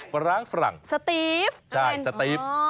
ฝรั่งสตีฟใช่สตีฟ